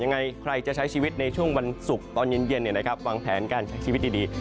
ยังไงใครจะใช้ชีวิตในช่วงวันศุกร์ตอนเย็นวางแผนการใช้ชีวิตดี